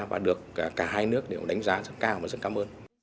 và được cả hai nước đều đánh giá rất cao và rất cảm ơn